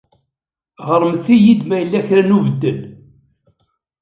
Ɣṛemt-iyi-d ma yella kra n ubeddel.